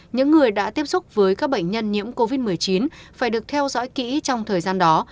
những người đã tiếp xúc với các bệnh nhân nhiễm covid một mươi chín phải được theo dõi kỹ trong thời gian đó